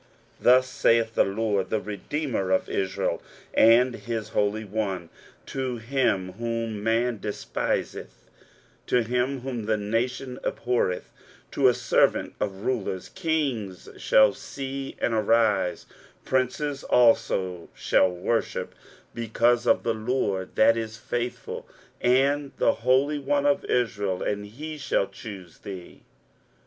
23:049:007 Thus saith the LORD, the Redeemer of Israel, and his Holy One, to him whom man despiseth, to him whom the nation abhorreth, to a servant of rulers, Kings shall see and arise, princes also shall worship, because of the LORD that is faithful, and the Holy One of Israel, and he shall choose thee.